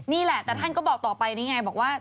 นี่แหละแต่ท่านก็บอกต่อไปนี่ไงบอกว่า